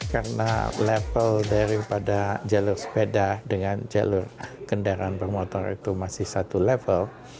karena level daripada jalur sepeda dengan jalur kendaraan bermotor itu masih satu level